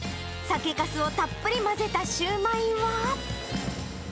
酒かすをたっぷり混ぜたシューマイは？